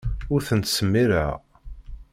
Ur tent-ttsemmiṛeɣ.